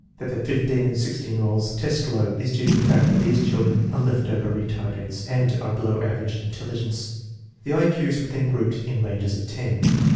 That the 15 and 16 year olds test low is due to the fact that these children are left over retardates and are below average in intelligence. The I Q's were then grouped in ranges of ten.